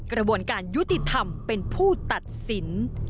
กระบวนการยุติธรรมเป็นผู้ตัดสิน